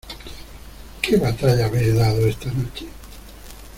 ¿ qué batalla habéis dado esta noche?